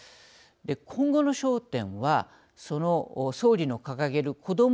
今後の焦点はその総理の掲げる子ども